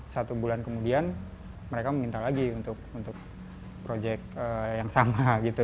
satu bulan kemudian mereka meminta lagi untuk proyek yang sama gitu